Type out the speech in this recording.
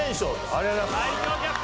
ありがとうございます。